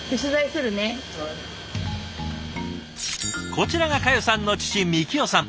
こちらが佳代さんの父樹生さん。